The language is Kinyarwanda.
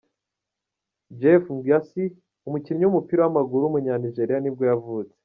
Jeff Gyasi, umukinnyi w’umupira w’amaguru w’umunyanigeriya nibwo yavutse.